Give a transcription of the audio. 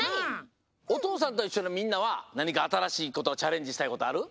「おとうさんといっしょ」のみんなはなにかあたらしいことチャレンジしたいことある？